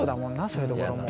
そういうところも。